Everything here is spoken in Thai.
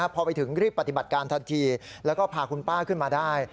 พอไปถึงรีบปฏิบัติการทันทีแล้วก็พาคุณป้าขึ้นมาได้